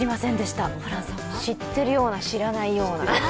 知ってるような、知らないような。